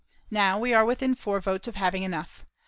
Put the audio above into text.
Now, we are within four votes of having enough.